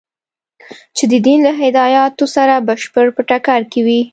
چې د دین له هدایاتو سره بشپړ په ټکر کې وي.